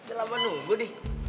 udah lama nunggu nih